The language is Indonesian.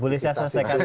boleh saya selesaikan